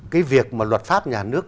cái việc mà luật pháp nhà nước